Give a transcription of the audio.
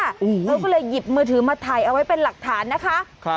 เขาก็เลยหยิบมือถือมาถ่ายเอาไว้เป็นหลักฐานนะคะ